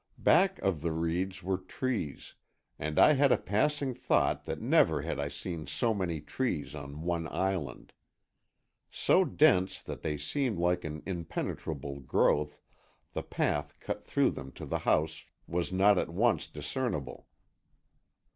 Back of the reeds were trees, and I had a passing thought that never had I seen so many trees on one island. So dense that they seemed like an impenetrable growth, the path cut through them to the house was not at once discernible.